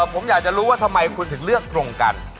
ผมอยากจะรู้ว่าทำไมคุณถึงเลือกตรงกัน